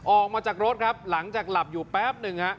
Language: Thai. ออกมาจากรถครับหลังจากหลับอยู่แป๊บหนึ่งฮะ